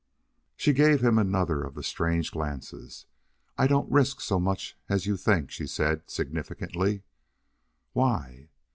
She gave him another of the strange glances. "I don't risk so much as you think," she said, significantly. "Why?"